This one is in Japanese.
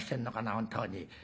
本当に。